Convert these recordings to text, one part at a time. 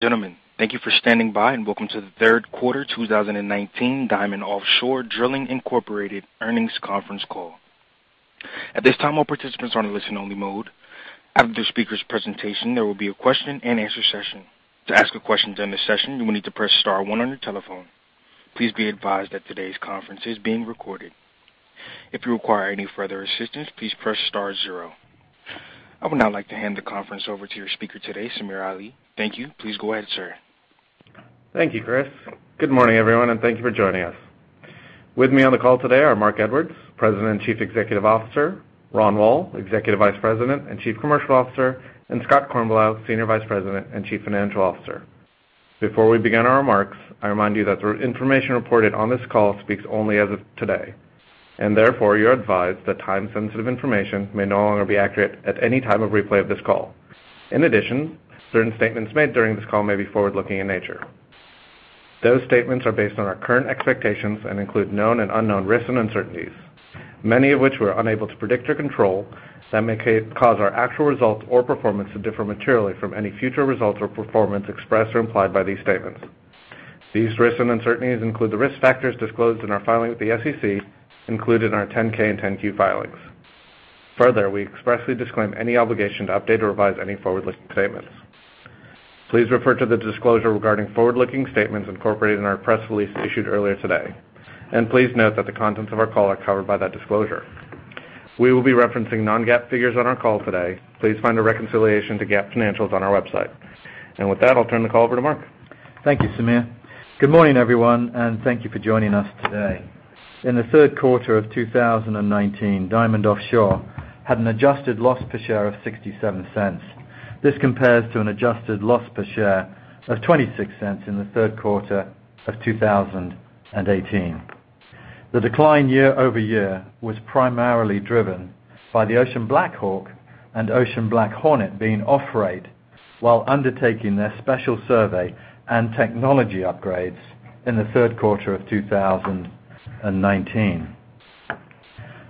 Gentlemen, thank you for standing by, and welcome to the third quarter 2019 Diamond Offshore Drilling, Inc. earnings conference call. At this time, all participants are in listen only mode. After the speaker's presentation, there will be a question and answer session. To ask a question during the session, you will need to press star 1 on your telephone. Please be advised that today's conference is being recorded. If you require any further assistance, please press star 0. I would now like to hand the conference over to your speaker today, Samir Ali. Thank you. Please go ahead, sir. Thank you, Chris. Good morning, everyone, and thank you for joining us. With me on the call today are Marc Edwards, President and Chief Executive Officer, Ronald Woll, Executive Vice President and Chief Commercial Officer, and Scott Kornblau, Senior Vice President and Chief Financial Officer. Before we begin our remarks, I remind you that the information reported on this call speaks only as of today, and therefore you are advised that time-sensitive information may no longer be accurate at any time of replay of this call. In addition, certain statements made during this call may be forward-looking in nature. Those statements are based on our current expectations and include known and unknown risks and uncertainties, many of which we're unable to predict or control, that may cause our actual results or performance to differ materially from any future results or performance expressed or implied by these statements. These risks and uncertainties include the risk factors disclosed in our filing with the SEC included in our 10-K and 10-Q filings. We expressly disclaim any obligation to update or revise any forward-looking statements. Please refer to the disclosure regarding forward-looking statements incorporated in our press release issued earlier today. Please note that the contents of our call are covered by that disclosure. We will be referencing non-GAAP figures on our call today. Please find a reconciliation to GAAP financials on our website. With that, I'll turn the call over to Marc. Thank you, Samir. Good morning, everyone, thank you for joining us today. In the third quarter of 2019, Diamond Offshore had an adjusted loss per share of $0.67. This compares to an adjusted loss per share of $0.26 in the third quarter of 2018. The decline year-over-year was primarily driven by the Ocean BlackHawk and Ocean BlackHornet being off-rate while undertaking their special survey and technology upgrades in the third quarter of 2019.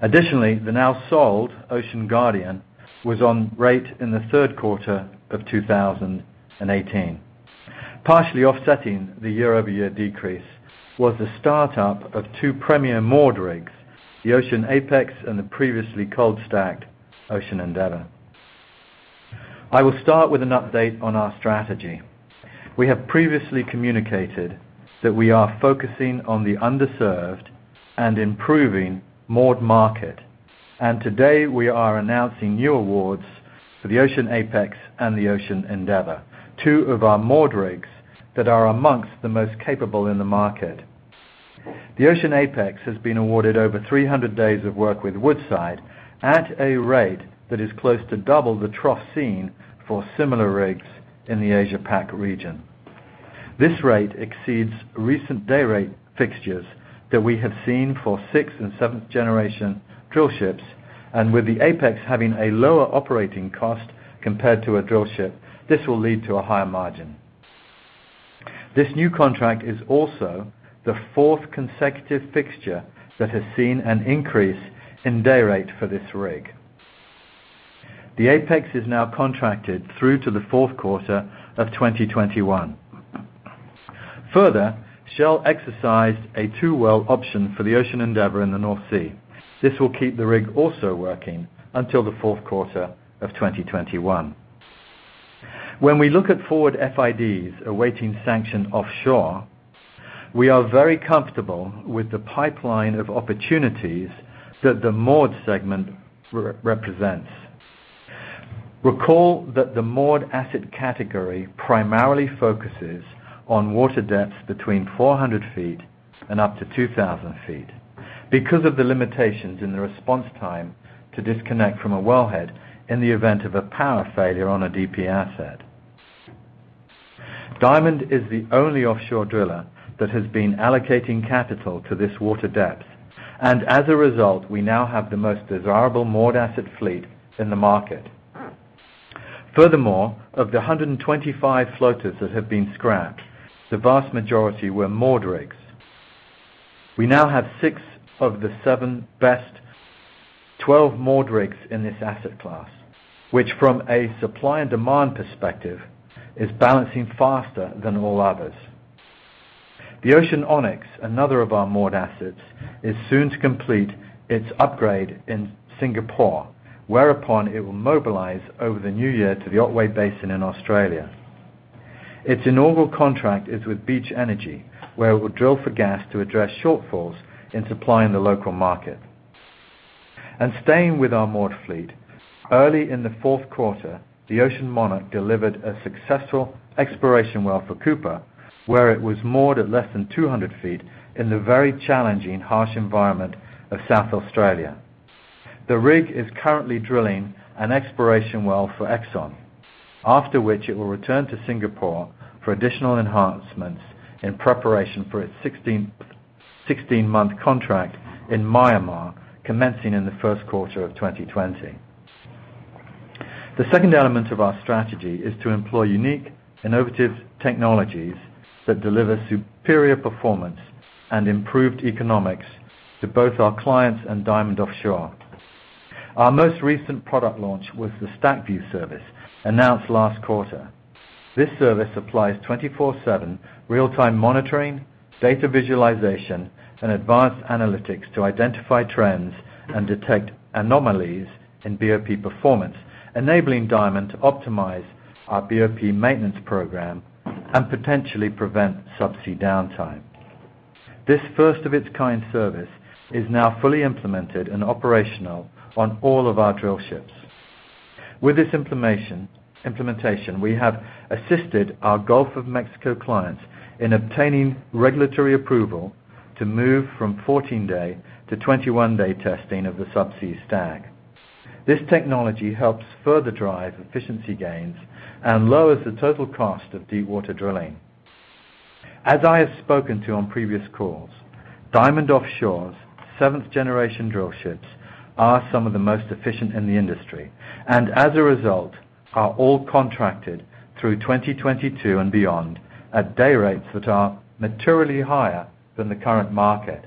Additionally, the now sold Ocean Guardian was on rate in the third quarter of 2018. Partially offsetting the year-over-year decrease was the start-up of two premier moored rigs, the Ocean Apex and the previously cold stacked Ocean Endeavor. I will start with an update on our strategy. We have previously communicated that we are focusing on the underserved and improving moored market. Today we are announcing new awards for the Ocean Apex and the Ocean Endeavor, two of our moored rigs that are amongst the most capable in the market. The Ocean Apex has been awarded over 300 days of work with Woodside at a rate that is close to double the trough seen for similar rigs in the Asia-Pac region. This rate exceeds recent day rate fixtures that we have seen for sixth and seventh generation drillships. With the Apex having a lower operating cost compared to a drillship, this will lead to a higher margin. This new contract is also the fourth consecutive fixture that has seen an increase in day rate for this rig. The Apex is now contracted through to the fourth quarter of 2021. Shell exercised a two-well option for the Ocean Endeavor in the North Sea. This will keep the rig also working until the fourth quarter of 2021. When we look at forward FIDs awaiting sanction offshore, we are very comfortable with the pipeline of opportunities that the moored segment represents. Recall that the moored asset category primarily focuses on water depths between 400 feet and up to 2,000 feet because of the limitations in the response time to disconnect from a wellhead in the event of a power failure on a DP asset. Diamond is the only offshore driller that has been allocating capital to this water depth, and as a result, we now have the most desirable moored asset fleet in the market. Of the 125 floaters that have been scrapped, the vast majority were moored rigs. We now have six of the seven best 12 moored rigs in this asset class, which from a supply and demand perspective, is balancing faster than all others. The Ocean Onyx, another of our moored assets, is soon to complete its upgrade in Singapore, whereupon it will mobilize over the new year to the Otway Basin in Australia. Its inaugural contract is with Beach Energy, where it will drill for gas to address shortfalls in supplying the local market. Staying with our moored fleet, early in the fourth quarter, the Ocean Monarch delivered a successful exploration well for Cooper, where it was moored at less than 200 feet in the very challenging, harsh environment of South Australia. The rig is currently drilling an exploration well for Exxon, after which it will return to Singapore for additional enhancements in preparation for its 16-month contract in Myanmar commencing in the first quarter of 2020. The second element of our strategy is to employ unique, innovative technologies that deliver superior performance and improved economics to both our clients and Diamond Offshore. Our most recent product launch was the Stack-View service, announced last quarter. This service applies 24/7 real-time monitoring, data visualization, and advanced analytics to identify trends and detect anomalies in BOP performance, enabling Diamond to optimize our BOP maintenance program and potentially prevent subsea downtime. This first-of-its-kind service is now fully implemented and operational on all of our drillships. With this implementation, we have assisted our Gulf of Mexico clients in obtaining regulatory approval to move from 14-day to 21-day testing of the subsea stack. This technology helps further drive efficiency gains and lowers the total cost of deepwater drilling. As I have spoken to on previous calls, Diamond Offshore's 7th-generation drillships are some of the most efficient in the industry, and as a result, are all contracted through 2022 and beyond at day rates that are materially higher than the current market.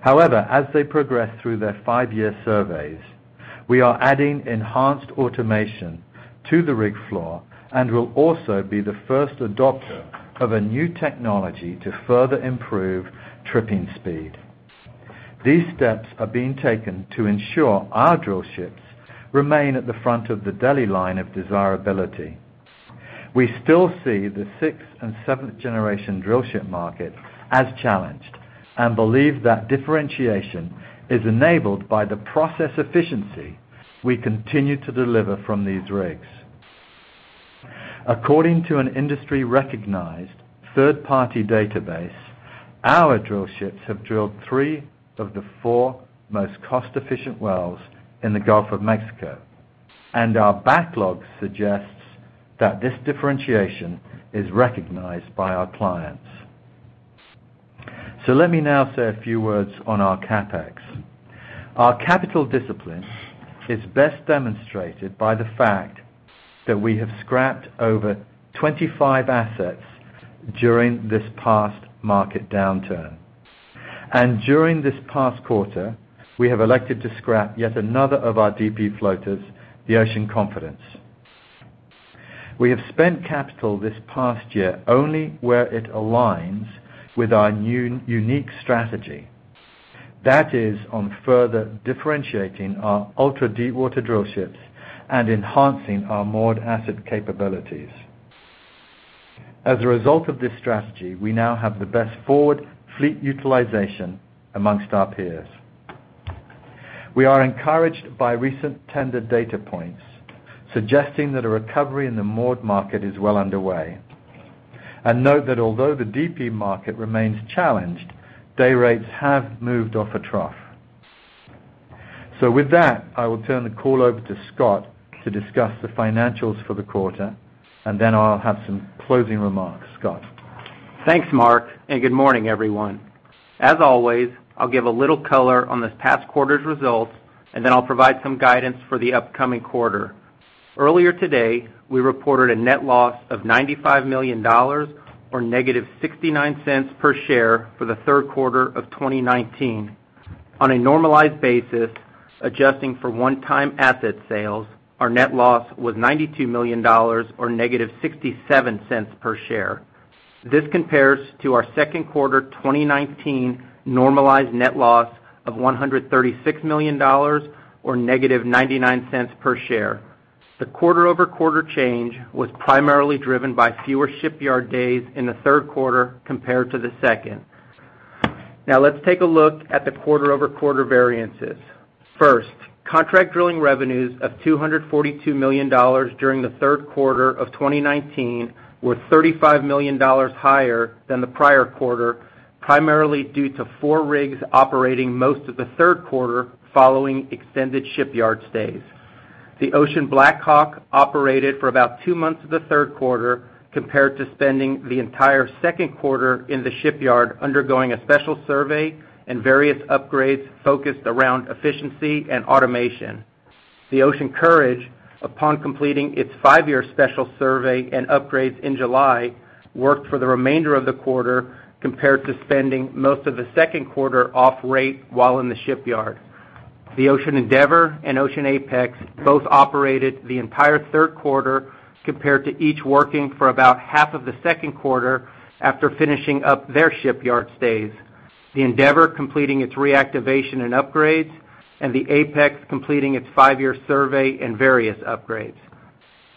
However, as they progress through their five-year surveys, we are adding enhanced automation to the rig floor and will also be the first adopter of a new technology to further improve tripping speed. These steps are being taken to ensure our drillships remain at the front of the deli line of desirability. We still see the 6th and 7th-generation drillship market as challenged and believe that differentiation is enabled by the process efficiency we continue to deliver from these rigs. According to an industry-recognized third-party database, our drillships have drilled three of the four most cost-efficient wells in the Gulf of Mexico, and our backlog suggests that this differentiation is recognized by our clients. Let me now say a few words on our CapEx. Our capital discipline is best demonstrated by the fact that we have scrapped over 25 assets during this past market downturn. During this past quarter, we have elected to scrap yet another of our DP floaters, the Ocean Confidence. We have spent capital this past year only where it aligns with our new unique strategy. That is on further differentiating our ultra-deepwater drillships and enhancing our moored asset capabilities. As a result of this strategy, we now have the best forward fleet utilization amongst our peers. We are encouraged by recent tender data points suggesting that a recovery in the moored market is well underway. Note that although the DP market remains challenged, day rates have moved off a trough. With that, I will turn the call over to Scott to discuss the financials for the quarter, and then I'll have some closing remarks. Scott? Thanks, Marc, good morning, everyone. As always, I'll give a little color on this past quarter's results, and then I'll provide some guidance for the upcoming quarter. Earlier today, we reported a net loss of $95 million, or negative $0.69 per share for the third quarter of 2019. On a normalized basis, adjusting for one-time asset sales, our net loss was $92 million, or negative $0.67 per share. This compares to our second quarter 2019 normalized net loss of $136 million or negative $0.99 per share. The quarter-over-quarter change was primarily driven by fewer shipyard days in the third quarter compared to the second. Let's take a look at the quarter-over-quarter variances. Contract drilling revenues of $242 million during the third quarter of 2019 were $35 million higher than the prior quarter, primarily due to four rigs operating most of the third quarter following extended shipyard stays. The Ocean BlackHawk operated for about two months of the third quarter compared to spending the entire second quarter in the shipyard undergoing a Special Survey and various upgrades focused around efficiency and automation. The Ocean Courage, upon completing its five-year Special Survey and upgrades in July, worked for the remainder of the quarter compared to spending most of the second quarter off rate while in the shipyard. The Ocean Endeavor and Ocean Apex both operated the entire third quarter compared to each working for about half of the second quarter after finishing up their shipyard stays. The Endeavor completing its reactivation and upgrades, and the Apex completing its five-year survey and various upgrades.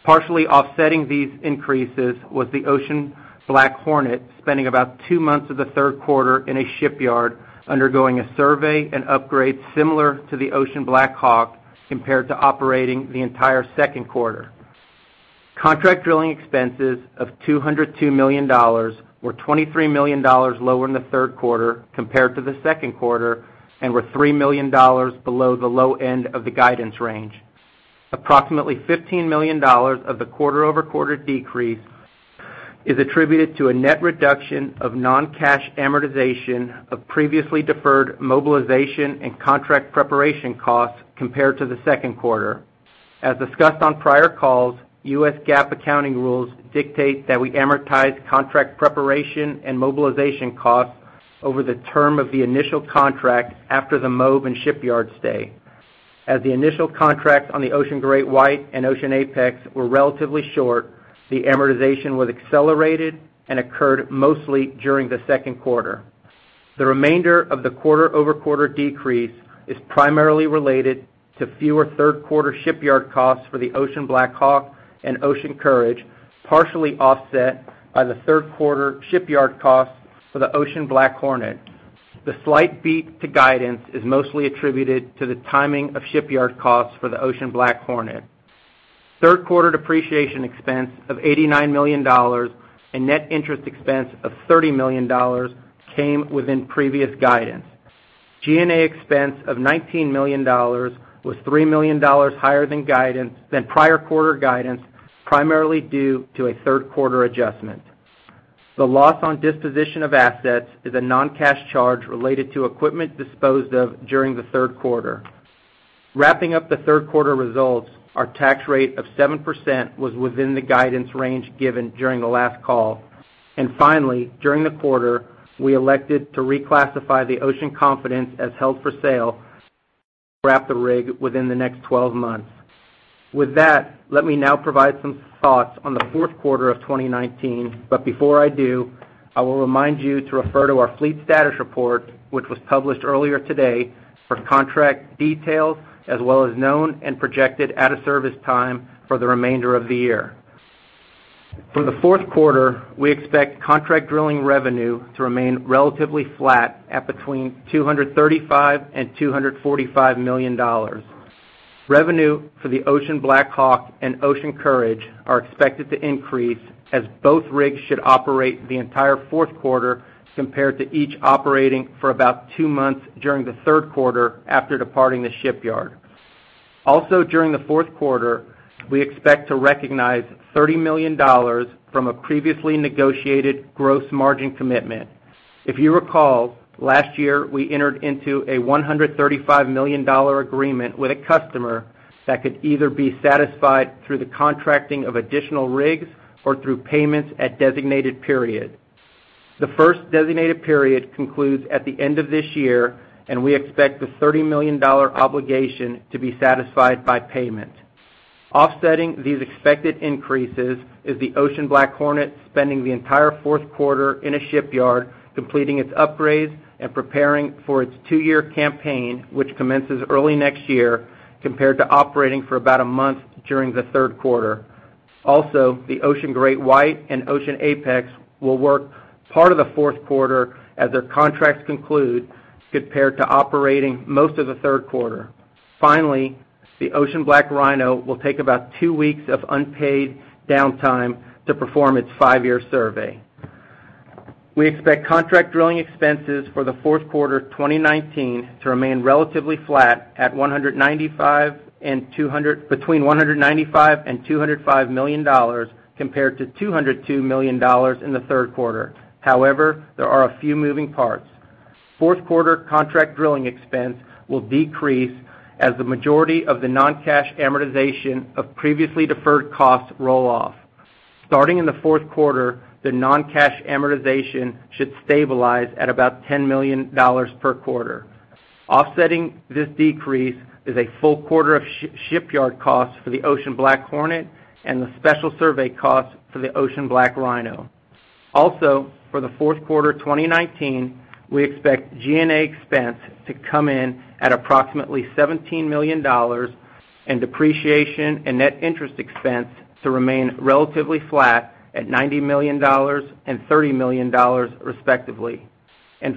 Partially offsetting these increases was the Ocean BlackHornet, spending about two months of the third quarter in a shipyard, undergoing a survey and upgrades similar to the Ocean BlackHawk, compared to operating the entire second quarter. Contract drilling expenses of $202 million were $23 million lower in the third quarter compared to the second quarter and were $3 million below the low end of the guidance range. Approximately $15 million of the quarter-over-quarter decrease is attributed to a net reduction of non-cash amortization of previously deferred mobilization and contract preparation costs compared to the second quarter. As discussed on prior calls, U.S. GAAP accounting rules dictate that we amortize contract preparation and mobilization costs over the term of the initial contract after the move and shipyard stay. As the initial contract on the Ocean GreatWhite and Ocean Apex were relatively short, the amortization was accelerated and occurred mostly during the second quarter. The remainder of the quarter-over-quarter decrease is primarily related to fewer third quarter shipyard costs for the Ocean BlackHawk and Ocean Courage, partially offset by the third quarter shipyard costs for the Ocean BlackHornet. The slight beat to guidance is mostly attributed to the timing of shipyard costs for the Ocean BlackHornet. Third quarter depreciation expense of $89 million and net interest expense of $30 million came within previous guidance. G&A expense of $19 million was $3 million higher than prior quarter guidance, primarily due to a third quarter adjustment. The loss on disposition of assets is a non-cash charge related to equipment disposed of during the third quarter. Wrapping up the third quarter results, our tax rate of 7% was within the guidance range given during the last call. Finally, during the quarter, we elected to reclassify the Ocean Confidence as held for sale, wrap the rig within the next 12 months. With that, let me now provide some thoughts on the fourth quarter of 2019. Before I do, I will remind you to refer to our fleet status report, which was published earlier today for contract details, as well as known and projected out-of-service time for the remainder of the year. For the fourth quarter, we expect contract drilling revenue to remain relatively flat at between $235 million and $245 million. Revenue for the Ocean BlackHawk and Ocean Courage are expected to increase as both rigs should operate the entire fourth quarter, compared to each operating for about two months during the third quarter after departing the shipyard. Also, during the fourth quarter, we expect to recognize $30 million from a previously negotiated gross margin commitment. If you recall, last year, we entered into a $135 million agreement with a customer that could either be satisfied through the contracting of additional rigs or through payments at designated period. The first designated period concludes at the end of this year, and we expect the $30 million obligation to be satisfied by payment. Offsetting these expected increases is the Ocean BlackHornet spending the entire fourth quarter in a shipyard, completing its upgrades and preparing for its two-year campaign, which commences early next year, compared to operating for about a month during the third quarter. Also, the Ocean GreatWhite and Ocean Apex will work part of the fourth quarter as their contracts conclude, compared to operating most of the third quarter. Finally, the Ocean BlackRhino will take about two weeks of unpaid downtime to perform its five-year survey. We expect contract drilling expenses for the fourth quarter 2019 to remain relatively flat between $195 million and $205 million, compared to $202 million in the third quarter. However, there are a few moving parts. Fourth quarter contract drilling expense will decrease as the majority of the non-cash amortization of previously deferred costs roll off. Starting in the fourth quarter, the non-cash amortization should stabilize at about $10 million per quarter. Offsetting this decrease is a full quarter of shipyard costs for the Ocean BlackHornet and the special survey cost for the Ocean BlackRhino. For the fourth quarter 2019, we expect G&A expense to come in at approximately $17 million, and depreciation and net interest expense to remain relatively flat at $90 million and $30 million respectively.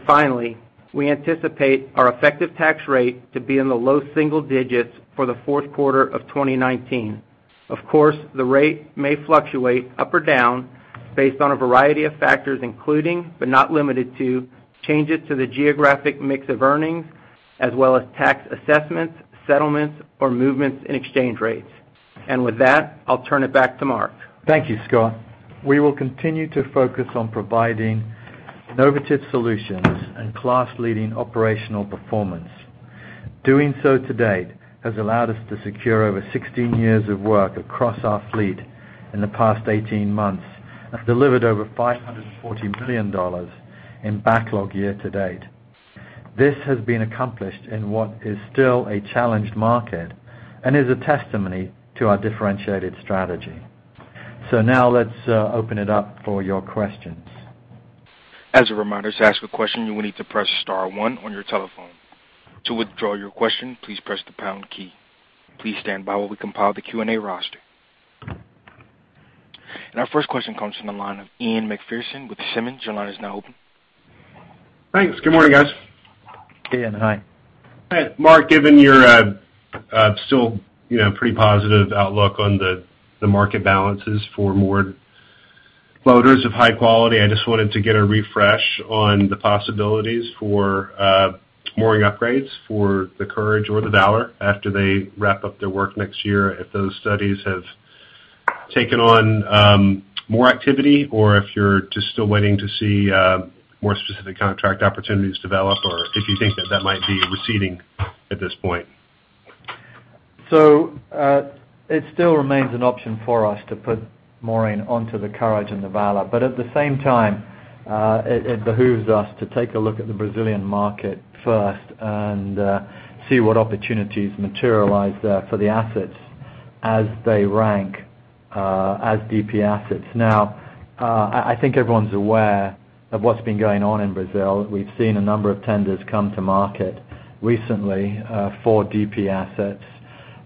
Finally, we anticipate our effective tax rate to be in the low single digits for the fourth quarter of 2019. Of course, the rate may fluctuate up or down based on a variety of factors, including, but not limited to, changes to the geographic mix of earnings, as well as tax assessments, settlements, or movements in exchange rates. With that, I'll turn it back to Marc. Thank you, Scott. We will continue to focus on providing innovative solutions and class-leading operational performance. Doing so to date has allowed us to secure over 16 years of work across our fleet in the past 18 months, and delivered over $540 million in backlog year to date. This has been accomplished in what is still a challenged market and is a testimony to our differentiated strategy. Now let's open it up for your questions. As a reminder, to ask a question, you will need to press star one on your telephone. To withdraw your question, please press the pound key. Please stand by while we compile the Q&A roster. Our first question comes from the line of Ian Macpherson with Simmons. Your line is now open. Thanks. Good morning, guys. Ian, hi. Hi. Marc, given your still pretty positive outlook on the market balances for more floaters of high quality, I just wanted to get a refresh on the possibilities for mooring upgrades for the Ocean Courage or the Ocean Valor after they wrap up their work next year. If those studies have taken on more activity, or if you're just still waiting to see more specific contract opportunities develop, or if you think that that might be receding at this point? It still remains an option for us to put mooring onto the Ocean Courage and the Ocean Valor. At the same time, it behooves us to take a look at the Brazilian market first and see what opportunities materialize there for the assets as they rank as DP assets. I think everyone's aware of what's been going on in Brazil. We've seen a number of tenders come to market recently, for DP assets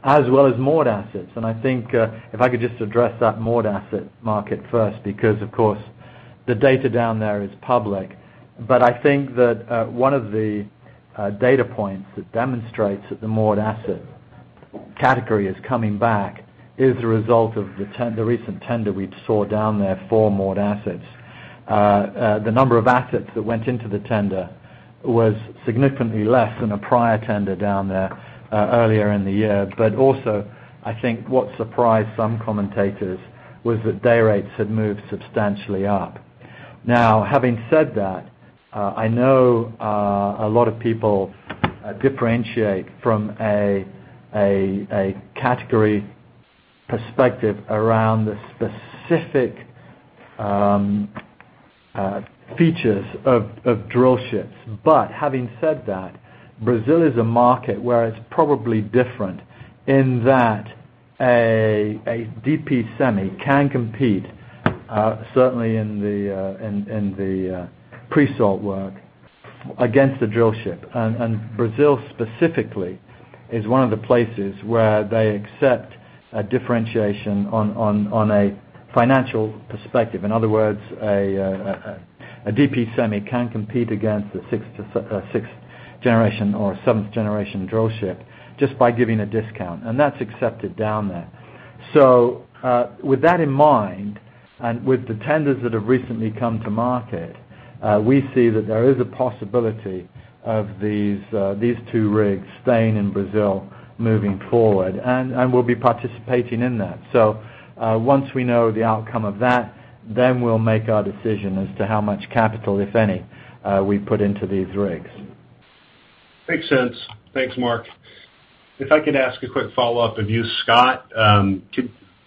as well as moored assets. I think, if I could just address that moored asset market first because, of course, the data down there is public. I think that one of the data points that demonstrates that the moored asset category is coming back is the result of the recent tender we saw down there for moored assets. The number of assets that went into the tender was significantly less than a prior tender down there earlier in the year. Also, I think what surprised some commentators was that day rates had moved substantially up. Now, having said that, I know a lot of people differentiate from a category perspective around the specific features of drillships. Having said that, Brazil is a market where it's probably different in that a DP semi can compete, certainly in the pre-salt work against a drillship. Brazil specifically is one of the places where they accept a differentiation on a financial perspective. In other words, a DP semi can compete against a 6th generation or 7th generation drillship just by giving a discount, and that's accepted down there. With that in mind, and with the tenders that have recently come to market, we see that there is a possibility of these two rigs staying in Brazil moving forward, and we'll be participating in that. Once we know the outcome of that, then we'll make our decision as to how much capital, if any, we put into these rigs. Makes sense. Thanks, Marc. If I could ask a quick follow-up of you, Scott.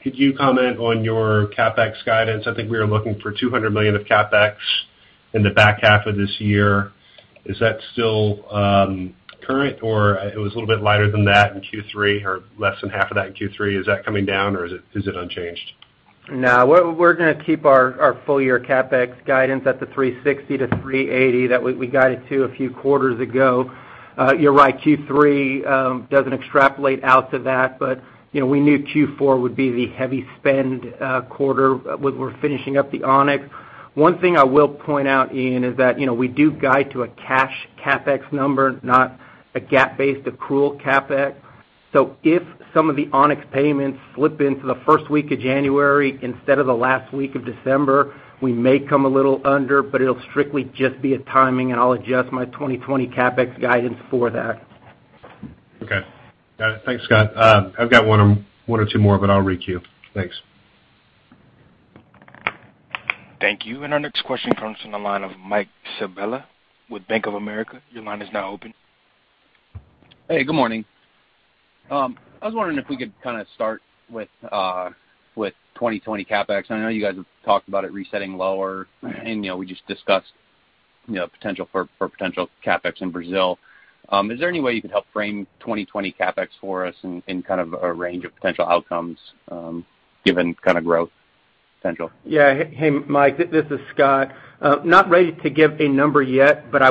Could you comment on your CapEx guidance? I think we were looking for $200 million of CapEx in the back half of this year. Is that still current, or it was a little bit lighter than that in Q3 or less than half of that in Q3? Is that coming down or is it unchanged? We're going to keep our full-year CapEx guidance at the $360-$380 that we guided to a few quarters ago. You're right, Q3 doesn't extrapolate out to that, but we knew Q4 would be the heavy-spend quarter. We're finishing up the Onyx. One thing I will point out, Ian, is that we do guide to a cash CapEx number, not a GAAP-based accrual CapEx. If some of the Onyx payments slip into the first week of January instead of the last week of December, we may come a little under, but it'll strictly just be a timing, and I'll adjust my 2020 CapEx guidance for that. Okay. Got it. Thanks, Scott. I've got one or two more, but I'll re-queue. Thanks. Thank you. Our next question comes from the line of Mike Sabella with Bank of America. Your line is now open. Hey, good morning. I was wondering if we could start with 2020 CapEx. I know you guys have talked about it resetting lower, and we just discussed potential for potential CapEx in Brazil. Is there any way you could help frame 2020 CapEx for us in a range of potential outcomes, given growth potential? Hey, Mike, this is Scott. I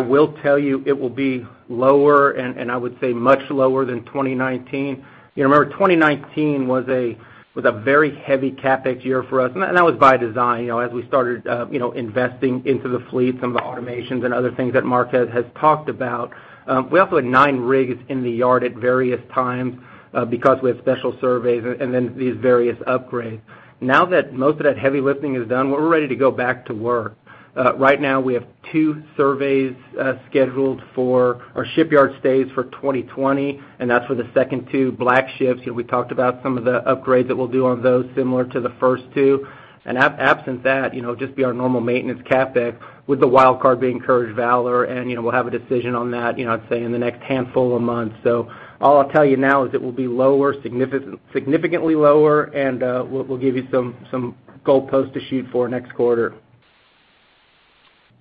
will tell you it will be lower, and I would say much lower than 2019. Remember, 2019 was a very heavy CapEx year for us. That was by design as we started investing into the fleet, some of the automations and other things that Marc has talked about. We also had nine rigs in the yard at various times, because we had special surveys and then these various upgrades. Now that most of that heavy lifting is done, we're ready to go back to work. Right now, we have two surveys scheduled for our shipyard stays for 2020. That's for the second two BlackShips. We talked about some of the upgrades that we'll do on those similar to the first two. Absent that, just be our normal maintenance CapEx with the wild card being Courage-Valor, and we'll have a decision on that, I'd say in the next handful of months. All I'll tell you now is it will be significantly lower, and we'll give you some goalpost to shoot for next quarter.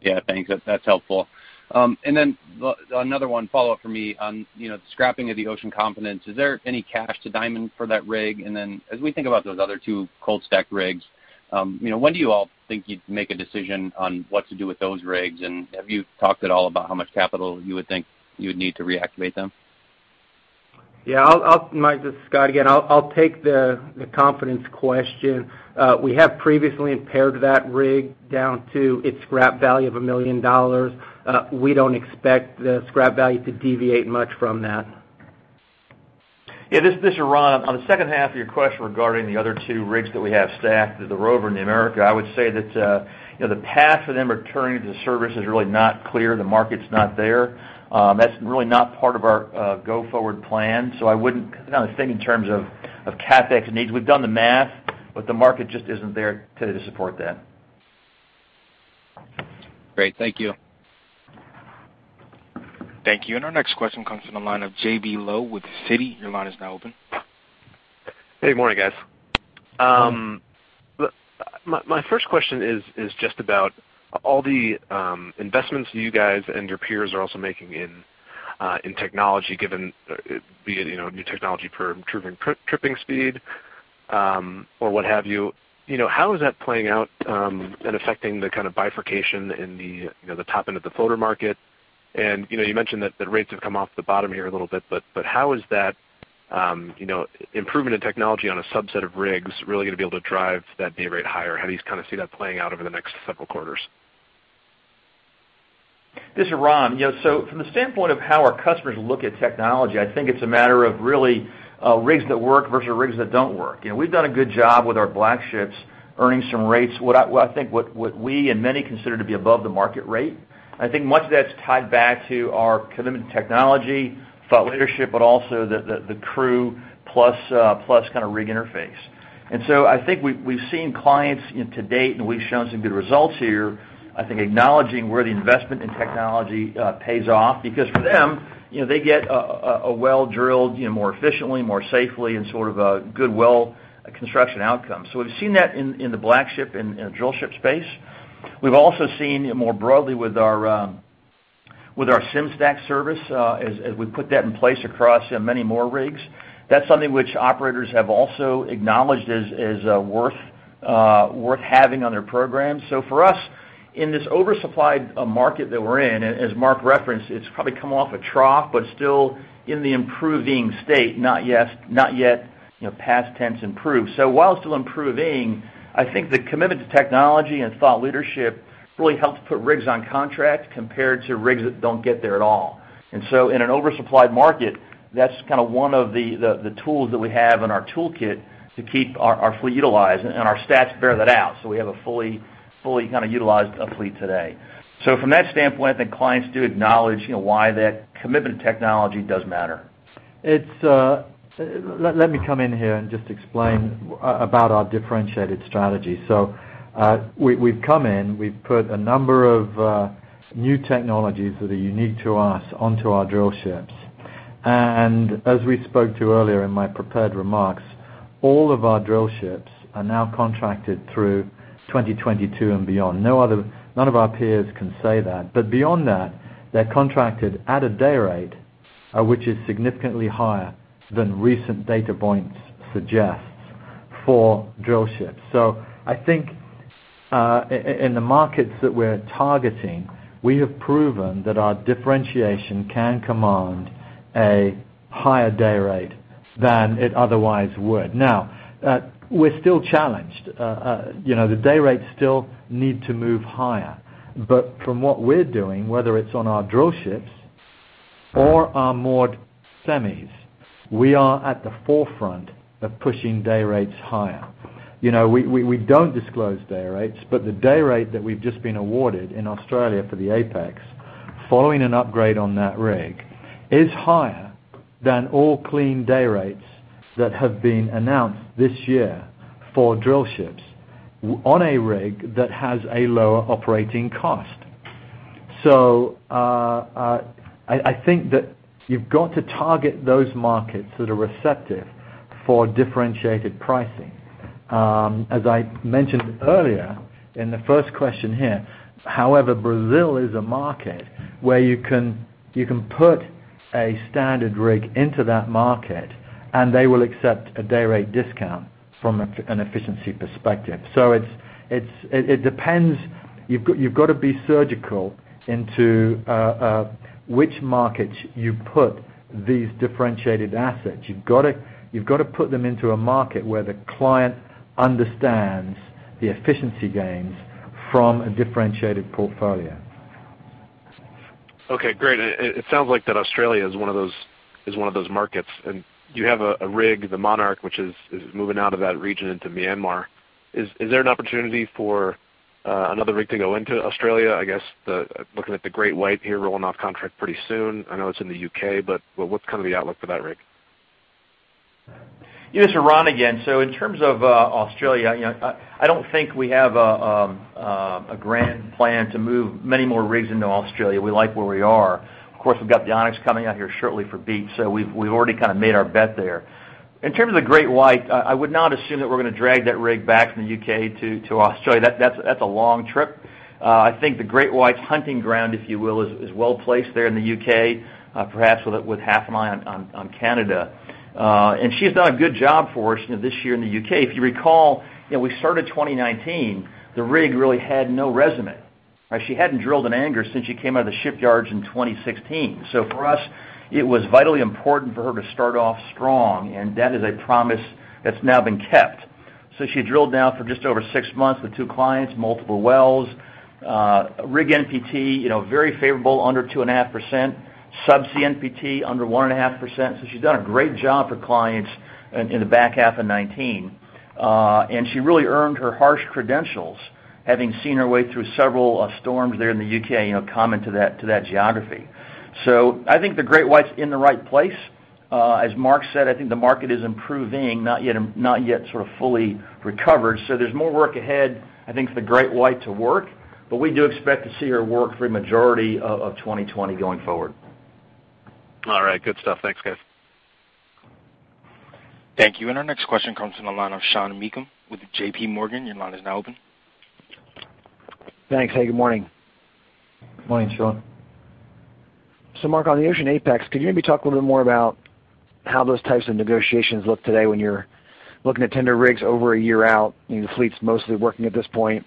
Yeah, thanks. That's helpful. Another one follow-up from me on the scrapping of the Ocean Confidence. Is there any cash to Diamond for that rig? As we think about those other two cold-stacked rigs, when do you all think you'd make a decision on what to do with those rigs, and have you talked at all about how much capital you would think you would need to reactivate them? Mike, this is Scott again. I'll take the Confidence question. We have previously impaired that rig down to its scrap value of $1 million. We don't expect the scrap value to deviate much from that. Yeah, this is Ron. On the second half of your question regarding the other two rigs that we have stacked, the Ocean Rover and the Ocean America, I would say that the path for them returning to service is really not clear. The market's not there. That's really not part of our go-forward plan. I wouldn't think in terms of CapEx needs. We've done the math. The market just isn't there today to support that. Great. Thank you. Thank you. Our next question comes from the line of J.B. Lowe with Citi. Your line is now open. Hey, good morning, guys. My first question is just about all the investments you guys and your peers are also making in technology, given be it new technology for improving tripping speed, or what have you. How is that playing out and affecting the kind of bifurcation in the top end of the floater market? You mentioned that the rates have come off the bottom here a little bit, but how is that improvement in technology on a subset of rigs really going to be able to drive that day rate higher? How do you see that playing out over the next several quarters? This is Ron. From the standpoint of how our customers look at technology, I think it's a matter of really rigs that work versus rigs that don't work. We've done a good job with our BlackShips earning some rates, what I think we and many consider to be above the market rate. I think much of that's tied back to our commitment to technology, thought leadership, but also the crew plus rig interface. I think we've seen clients to date, and we've shown some good results here, I think acknowledging where the investment in technology pays off. For them, they get a well drilled more efficiently, more safely, and sort of a good well construction outcome. We've seen that in the BlackShip and drillship space. We've also seen it more broadly with our Sim-Stack service as we put that in place across many more rigs. That's something which operators have also acknowledged as worth having on their program. For us, in this oversupplied market that we're in, as Marc referenced, it's probably come off a trough, but still in the improving state, not yet past tense improved. While it's still improving, I think the commitment to technology and thought leadership really helps put rigs on contract compared to rigs that don't get there at all. In an oversupplied market, that's one of the tools that we have in our toolkit to keep our fleet utilized, and our stats bear that out. We have a fully utilized fleet today. From that standpoint, I think clients do acknowledge why that commitment to technology does matter. Let me come in here and just explain about our differentiated strategy. We've come in, we've put a number of new technologies that are unique to us onto our drillships. As we spoke to earlier in my prepared remarks, all of our drillships are now contracted through 2022 and beyond. None of our peers can say that. Beyond that, they're contracted at a day rate, which is significantly higher than recent data points suggest for drillships. I think in the markets that we're targeting, we have proven that our differentiation can command a higher day rate than it otherwise would. Now, we're still challenged. The day rates still need to move higher. From what we're doing, whether it's on our drillships or our moored semis, we are at the forefront of pushing day rates higher. We don't disclose day rates, the day rate that we've just been awarded in Australia for the Apex, following an upgrade on that rig, is higher than all clean day rates that have been announced this year for drillships on a rig that has a lower operating cost. I think that you've got to target those markets that are receptive for differentiated pricing. As I mentioned earlier in the first question here, however, Brazil is a market where you can put a standard rig into that market, and they will accept a day rate discount from an efficiency perspective. It depends. You've got to be surgical into which markets you put these differentiated assets. You've got to put them into a market where the client understands the efficiency gains from a differentiated portfolio. Okay, great. It sounds like that Australia is one of those markets, and you have a rig, the Monarch, which is moving out of that region into Myanmar. Is there an opportunity for another rig to go into Australia? I guess, looking at the GreatWhite here rolling off contract pretty soon. I know it's in the U.K., but what's kind of the outlook for that rig? This is Ron again. In terms of Australia, I don't think we have a grand plan to move many more rigs into Australia. We like where we are. Of course, we've got the Onyx coming out here shortly for Beach, so we've already kind of made our bet there. In terms of the GreatWhite, I would not assume that we're going to drag that rig back from the U.K. to Australia. That's a long trip. I think the GreatWhite's hunting ground, if you will, is well-placed there in the U.K. perhaps with half an eye on Canada. She has done a good job for us this year in the U.K. If you recall, we started 2019, the rig really had no resume. She hadn't drilled in anger since she came out of the shipyards in 2016. For us, it was vitally important for her to start off strong, and that is a promise that's now been kept. She drilled now for just over six months with two clients, multiple wells. Rig NPT, very favorable, under 2.5%. Subsea NPT, under 1.5%. She's done a great job for clients in the back half of 2019. She really earned her harsh credentials, having seen her way through several storms there in the U.K., common to that geography. I think the GreatWhite's in the right place. As Marc said, I think the market is improving, not yet sort of fully recovered. There's more work ahead, I think, for the GreatWhite to work, but we do expect to see her work for the majority of 2020 going forward. All right. Good stuff. Thanks, guys. Thank you. Our next question comes from the line of Sean Meakim with JPMorgan. Your line is now open. Thanks. Hey, good morning. Morning, Sean. Marc, on the Ocean Apex, could you maybe talk a little bit more about how those types of negotiations look today when you're looking at tender rigs over a year out? The fleet's mostly working at this point.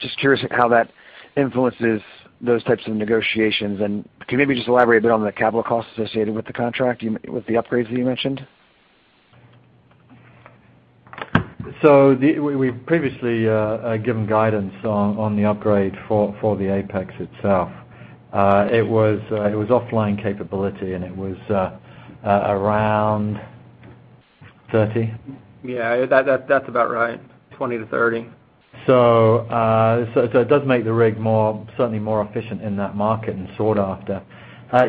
Just curious how that influences those types of negotiations, and can you maybe just elaborate a bit on the capital costs associated with the contract, with the upgrades that you mentioned? We've previously given guidance on the upgrade for the Apex itself. It was offline capability, and it was around $30. Yeah, that's about right. 20-30. It does make the rig certainly more efficient in that market and sought after.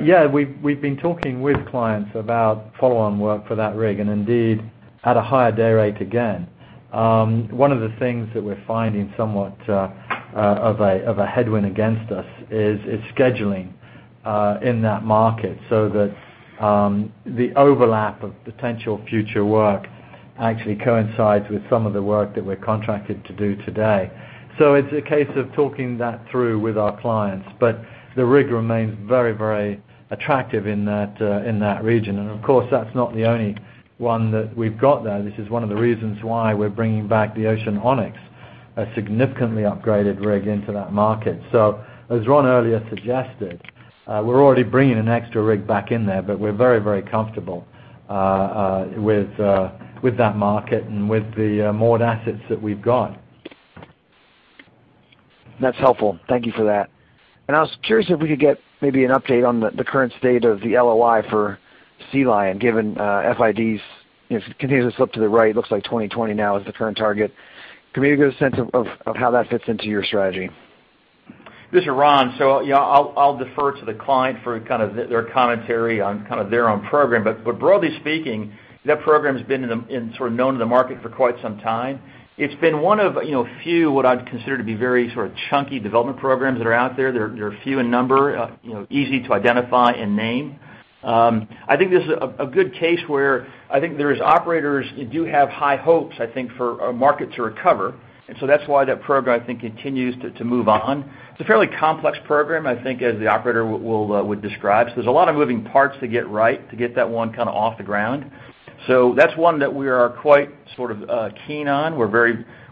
Yeah, we've been talking with clients about follow-on work for that rig, and indeed, at a higher day rate again. One of the things that we're finding somewhat of a headwind against us is scheduling in that market so that the overlap of potential future work actually coincides with some of the work that we're contracted to do today. It's a case of talking that through with our clients. The rig remains very attractive in that region, and of course, that's not the only one that we've got there. This is one of the reasons why we're bringing back the Ocean Onyx, a significantly upgraded rig into that market. As Ron earlier suggested, we're already bringing an extra rig back in there, but we're very comfortable with that market and with the moored assets that we've got. That's helpful. Thank you for that. I was curious if we could get maybe an update on the current state of the LOI for Sea Lion, given FIDs continues up to the right. It looks like 2020 now is the current target. Give me a good sense of how that fits into your strategy. This is Ron. Yeah, I'll defer to the client for kind of their commentary on kind of their own program. Broadly speaking, that program's been sort of known in the market for quite some time. It's been one of a few what I'd consider to be very sort of chunky development programs that are out there. They're few in number, easy to identify and name. I think this is a good case where I think there is operators that do have high hopes, I think, for our market to recover, and that's why that program, I think, continues to move on. It's a fairly complex program, I think, as the operator would describe. There's a lot of moving parts to get right to get that one kind of off the ground. That's one that we are quite sort of keen on.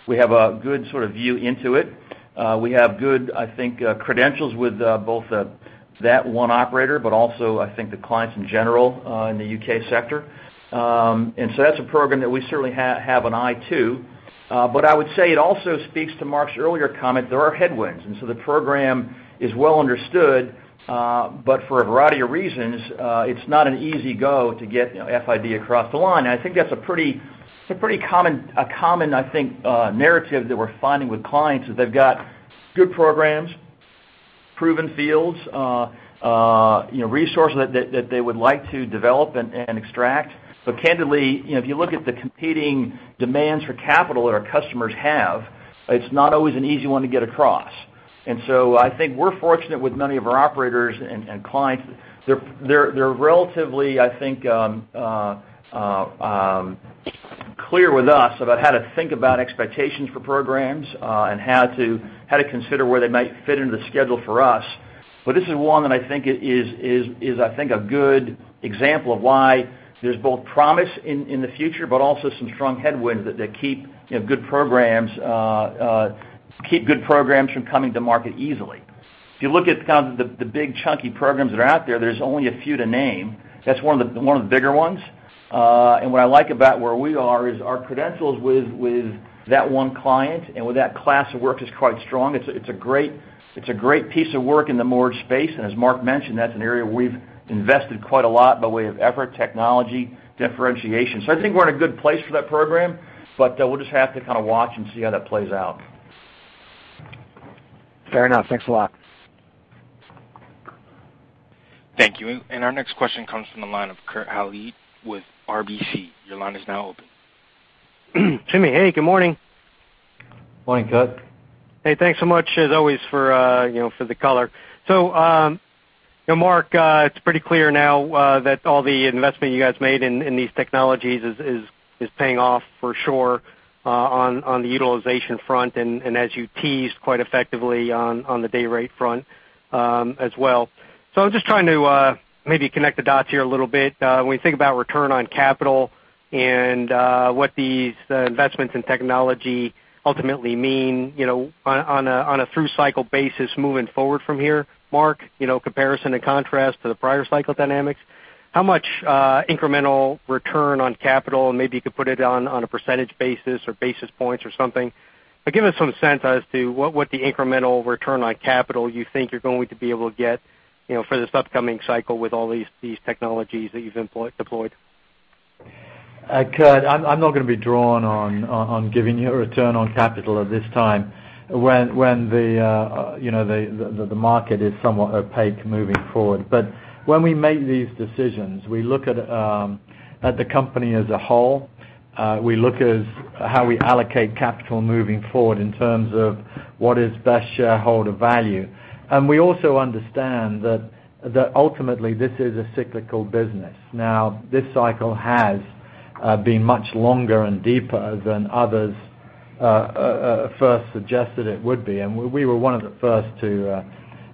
We have a good sort of view into it. We have good, I think, credentials with both that one operator, but also, I think the clients in general, in the U.K. sector. That's a program that we certainly have an eye to. I would say it also speaks to Marc's earlier comment. There are headwinds, and so the program is well understood, but for a variety of reasons, it's not an easy go to get FID across the line. I think that's a pretty common, I think, narrative that we're finding with clients, that they've got good programs, proven fields, resources that they would like to develop and extract. Candidly, if you look at the competing demands for capital that our customers have, it's not always an easy one to get across. I think we're fortunate with many of our operators and clients. They're relatively, I think, clear with us about how to think about expectations for programs, and how to consider where they might fit into the schedule for us. This is one that I think is a good example of why there's both promise in the future, but also some strong headwinds that keep good programs from coming to market easily. If you look at kind of the big chunky programs that are out there's only a few to name. That's one of the bigger ones. What I like about where we are is our credentials with that one client and with that class of work is quite strong. It's a great piece of work in the moored space, as Marc mentioned, that's an area we've invested quite a lot by way of effort, technology, differentiation. I think we're in a good place for that program, but we'll just have to kind of watch and see how that plays out. Fair enough. Thanks a lot. Thank you. Our next question comes from the line of Kurt Hallead with RBC. Your line is now open. Jimmy, hey, good morning. Morning, Kurt. Hey, thanks so much as always for the color. Marc, it's pretty clear now that all the investment you guys made in these technologies is paying off for sure, on the utilization front and as you teased quite effectively on the day rate front, as well. I'm just trying to maybe connect the dots here a little bit. When you think about return on capital and what these investments in technology ultimately mean on a through cycle basis moving forward from here, Marc, comparison and contrast to the prior cycle dynamics, how much incremental return on capital, and maybe you could put it on a percentage basis or basis points or something, but give us some sense as to what the incremental return on capital you think you're going to be able to get for this upcoming cycle with all these technologies that you've deployed. Kurt, I'm not going to be drawn on giving you a return on capital at this time when the market is somewhat opaque moving forward. When we make these decisions, we look at the company as a whole. We look at how we allocate capital moving forward in terms of what is best shareholder value. We also understand that ultimately, this is a cyclical business. Now, this cycle has been much longer and deeper than others first suggested it would be. We were one of the first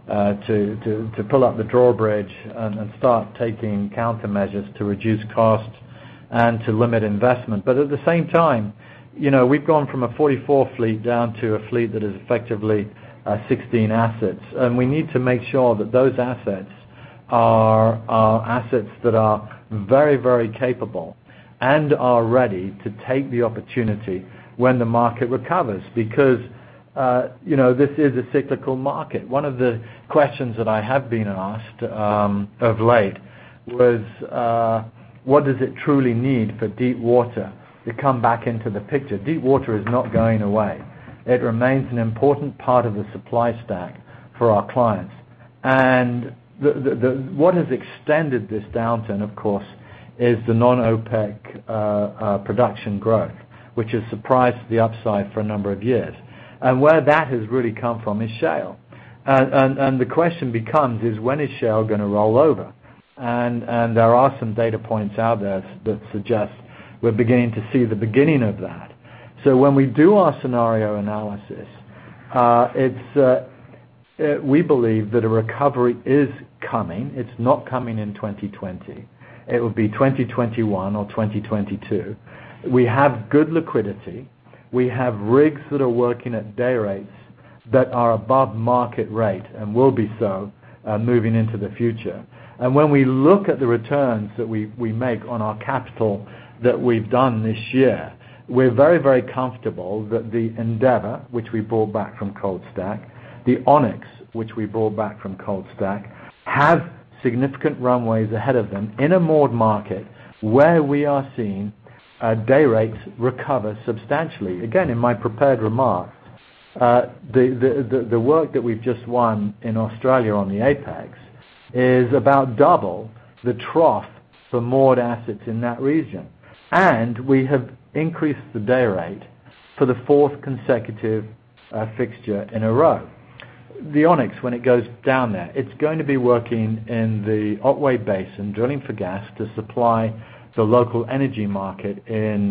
to pull up the drawbridge and start taking countermeasures to reduce cost and to limit investment. At the same time, we've gone from a 44 fleet down to a fleet that is effectively 16 assets. We need to make sure that those assets are assets that are very capable and are ready to take the opportunity when the market recovers, because this is a cyclical market. One of the questions that I have been asked of late was: what does it truly need for deep water to come back into the picture? Deep water is not going away. It remains an important part of the supply stack for our clients. What has extended this downturn, of course, is the non-OPEC production growth, which has surprised the upside for a number of years. Where that has really come from is shale. The question becomes is when is shale going to roll over? There are some data points out there that suggest we're beginning to see the beginning of that. When we do our scenario analysis, we believe that a recovery is coming. It's not coming in 2020. It will be 2021 or 2022. We have good liquidity. We have rigs that are working at day rates that are above market rate and will be so moving into the future. When we look at the returns that we make on our capital that we've done this year, we're very comfortable that the Endeavor, which we brought back from cold stack, the Onyx, which we brought back from cold stack, have significant runways ahead of them in a moored market where we are seeing day rates recover substantially. Again, in my prepared remarks, the work that we've just won in Australia on the Apex is about double the trough for moored assets in that region. We have increased the day rate for the fourth consecutive fixture in a row. The Onyx, when it goes down there, it's going to be working in the Otway Basin, drilling for gas to supply the local energy market in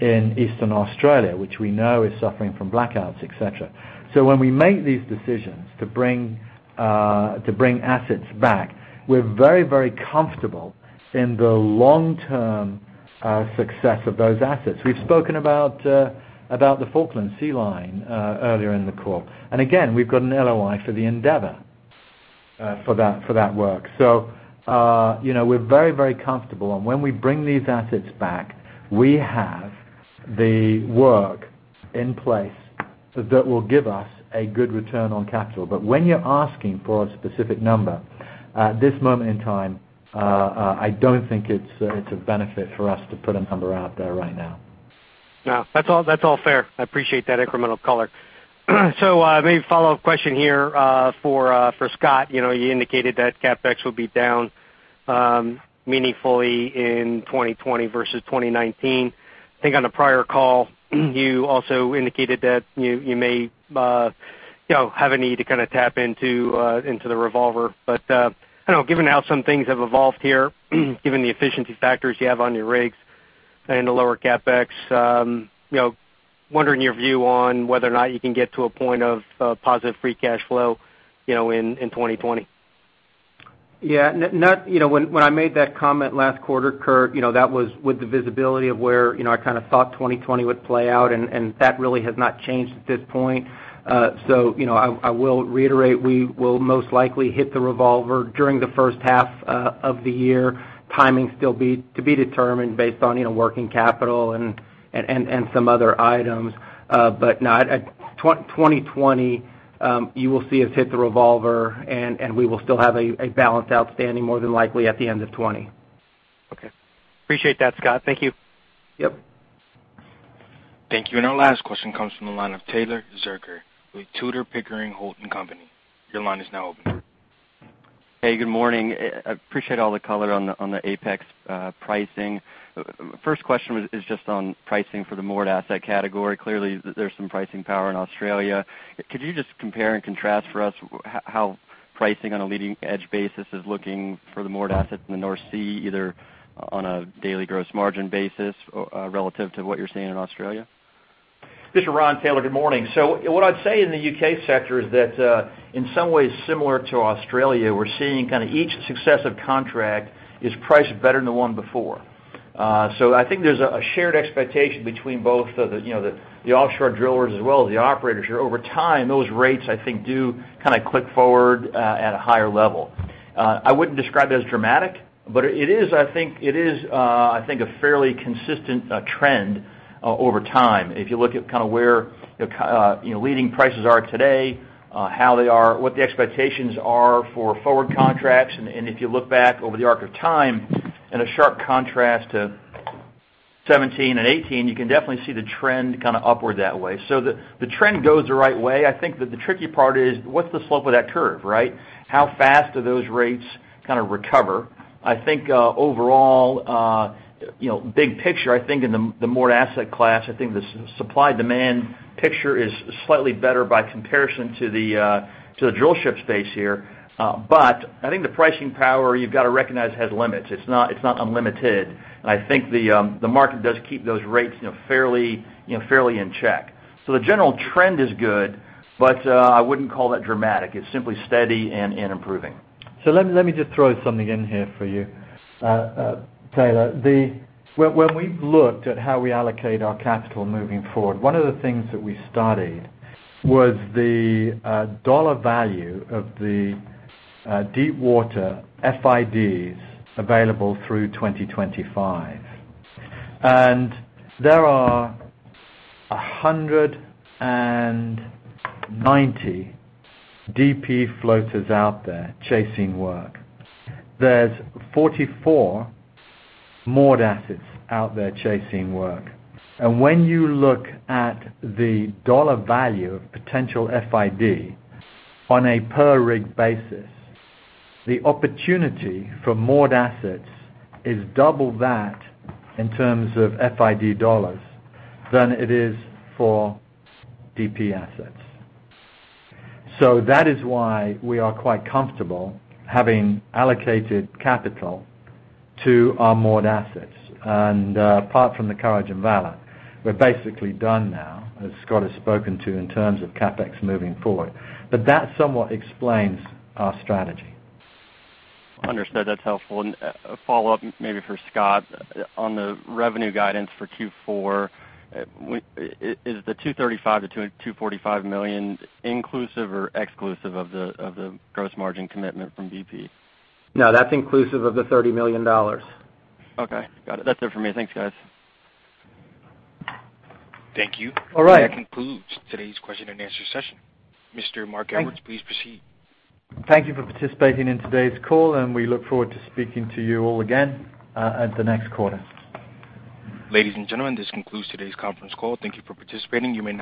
Eastern Australia, which we know is suffering from blackouts, et cetera. When we make these decisions to bring assets back, we're very comfortable in the long-term success of those assets. We've spoken about the Falkland Sea Lion earlier in the call. Again, we've got an LOI for the Endeavor for that work. We're very comfortable. When we bring these assets back, we have the work in place that will give us a good return on capital. When you're asking for a specific number, at this moment in time, I don't think it's a benefit for us to put a number out there right now. No, that's all fair. I appreciate that incremental color. Maybe a follow-up question here for Scott. You indicated that CapEx will be down meaningfully in 2020 versus 2019. I think on the prior call, you also indicated that you may have a need to kind of tap into the revolver. Given how some things have evolved here, given the efficiency factors you have on your rigs and the lower CapEx, wondering your view on whether or not you can get to a point of positive free cash flow in 2020. Yeah. When I made that comment last quarter, Kurt, that was with the visibility of where I kind of thought 2020 would play out, that really has not changed at this point. I will reiterate, we will most likely hit the revolver during the first half of the year. Timing still to be determined based on working capital and some other items. No, at 2020, you will see us hit the revolver, and we will still have a balance outstanding more than likely at the end of 2020. Okay. Appreciate that, Scott. Thank you. Yep. Thank you. Our last question comes from the line of Taylor Zurcher with Tudor, Pickering, Holt & Co.. Your line is now open. Hey, good morning. I appreciate all the color on the Ocean Apex pricing. First question is just on pricing for the moored asset category. Clearly, there's some pricing power in Australia. Could you just compare and contrast for us how pricing on a leading edge basis is looking for the moored assets in the North Sea, either on a daily gross margin basis relative to what you're seeing in Australia? This is Ron, Taylor, good morning. What I'd say in the U.K. sector is that in some ways similar to Australia, we're seeing kind of each successive contract is priced better than the one before. I think there's a shared expectation between both the offshore drillers as well as the operators, where over time, those rates, I think, do kind of click forward at a higher level. I wouldn't describe it as dramatic, but it is I think a fairly consistent trend. Over time, if you look at kind of where leading prices are today, how they are, what the expectations are for forward contracts, and if you look back over the arc of time, in a sharp contrast to 2017 and 2018, you can definitely see the trend kind of upward that way. The trend goes the right way. I think that the tricky part is what's the slope of that curve, right? How fast do those rates kind of recover? I think overall, big picture, I think in the moored asset class, I think the supply-demand picture is slightly better by comparison to the drill ship space here. I think the pricing power, you've got to recognize, has limits. It's not unlimited. I think the market does keep those rates fairly in check. The general trend is good, but I wouldn't call that dramatic. It's simply steady and improving. Let me just throw something in here for you, Taylor. When we've looked at how we allocate our capital moving forward, one of the things that we studied was the dollar value of the deepwater FIDs available through 2025. There are 190 DP floaters out there chasing work. There are 44 moored assets out there chasing work. When you look at the dollar value of potential FID on a per-rig basis, the opportunity for moored assets is double that in terms of FID dollars than it is for DP assets. That is why we are quite comfortable having allocated capital to our moored assets. Apart from the Courage and Valor, we're basically done now, as Scott has spoken to in terms of CapEx moving forward. That somewhat explains our strategy. Understood. That's helpful. A follow-up, maybe for Scott, on the revenue guidance for Q4. Is the $235 million-$245 million inclusive or exclusive of the gross margin commitment from BP? No, that's inclusive of the $30 million. Okay. Got it. That's it for me. Thanks, guys. Thank you. All right. That concludes today's question and answer session. Mr. Marc Edwards Thank you. Please proceed. Thank you for participating in today's call, and we look forward to speaking to you all again at the next quarter. Ladies and gentlemen, this concludes today's conference call. Thank you for participating. You may disconnect.